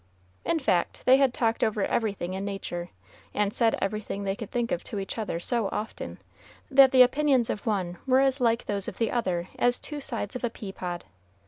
In fact, they had talked over everything in Nature, and said everything they could think of to each other so often, that the opinions of one were as like those of the other as two sides of a pea pod.